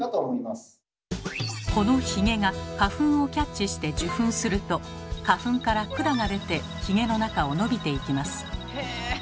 このヒゲが花粉をキャッチして受粉すると花粉から管が出てヒゲの中を伸びていきます。